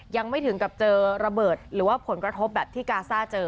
ยังไม่ถึงกับเจอระเบิดหรือว่าผลกระทบแบบที่กาซ่าเจอ